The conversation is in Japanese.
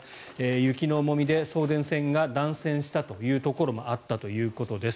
雪の重みで送電線が断線したというところもあったということです。